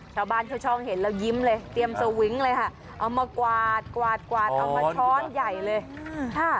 ชาวบ้านชาวช่องเห็นแล้วยิ้มเลยเตรียมสวิงเลยค่ะเอามากวาดกวาดกวาดเอามาช้อนใหญ่เลยค่ะ